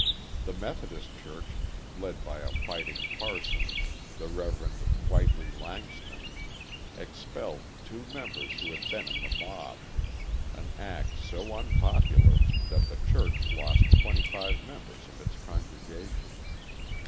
The Methodist church, led by a fighting parson, the Rev. Whitely Langston, expelled two members who had been in the mob an act so unpopular that the church lost twenty five members of its congregation.